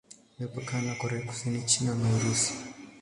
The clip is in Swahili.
Imepakana na Korea Kusini, China na Urusi.